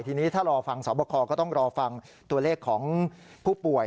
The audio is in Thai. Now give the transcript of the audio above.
ทีนี้ถ้ารอฟังสอบคอก็ต้องรอฟังตัวเลขของผู้ป่วย